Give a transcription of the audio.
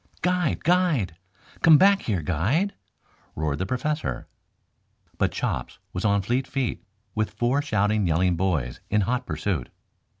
"Guide! Guide! Come back here, guide!" roared the Professor. But Chops was on fleet feet, with four shouting, yelling boys in hot pursuit.